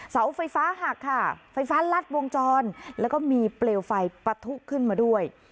เสาไฟฟ้าหักค่ะไฟฟ้ารัดวงจรแล้วก็มีเปลวไฟปะทุขึ้นมาด้วย